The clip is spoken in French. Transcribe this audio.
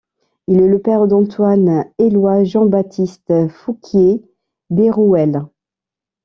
Il est le père d'Antoine-Éloi-Jean-Baptiste Fouquier d'Hérouël.